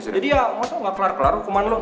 jadi ya masa gak kelar kelar hukuman lu